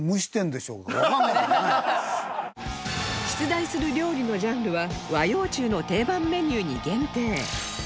出題する料理のジャンルは和洋中の定番メニューに限定